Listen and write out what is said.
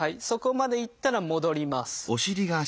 そこまで行ったら戻ります。